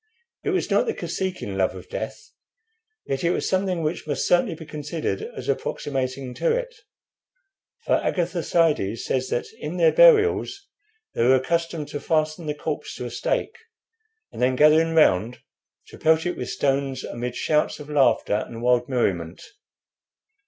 It was not the Kosekin love of death, yet it was something which must certainly be considered as approximating to it. For Agatharcides says that in their burials they were accustomed to fasten the corpse to a stake, and then gathering round, to pelt it with stones amid shouts of laughter and wild merriment.